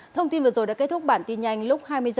thông tin vừa rồi đã kết thúc bản tin nhanh lúc hai mươi h